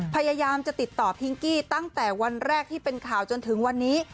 พยายามจะติดต่อพิงกี้ตั้งแต่วันแรกที่เป็นข่าวจนถึงวันนี้